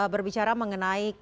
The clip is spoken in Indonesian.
ee berbicara mengenai hak kpk